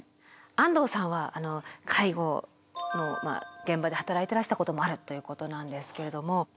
安藤さんは介護の現場で働いていらしたこともあるということなんですけれども。